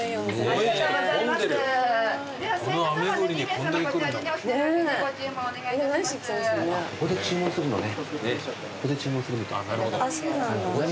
ここで注文するみたい。